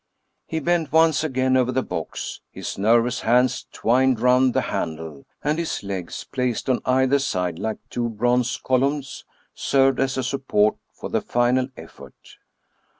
He bent once again over the box: his nervous hands twined round the handle, and his legs, placed on either side like two bronze columns, served as a support for the final effort.